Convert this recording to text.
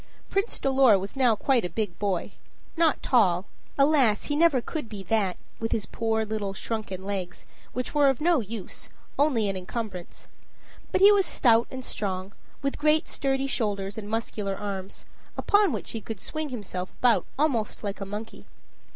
Prince Dolor was now quite a big boy. Not tall alas! he never could be that, with his poor little shrunken legs, which were of no use, only an encumbrance. But he was stout and strong, with great sturdy shoulders, and muscular arms, upon which he could swing himself about almost like a monkey.